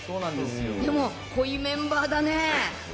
でも濃いメンバーだね。